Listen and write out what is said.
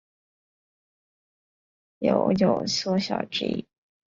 酉有缩小之意。